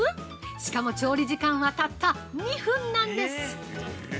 しかも調理時間はたった２分なんです。